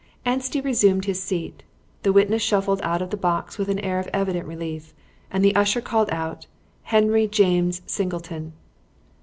Anstey resumed his seat, the witness shuffled out of the box with an air of evident relief, and the usher called out, "Henry James Singleton."